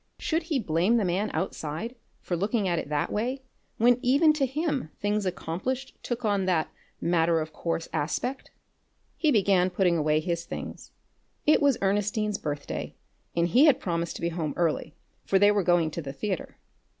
Should he blame the man outside for looking at it that way when even to him things accomplished took on that matter of course aspect? He began putting away his things. It was Ernestine's birthday, and he had promised to be home early, for they were going to the theatre.